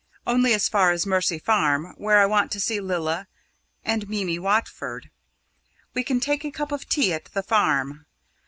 Only as far as Mercy Farm, where I want to see Lilla and Mimi Watford. We can take a cup of tea at the Farm.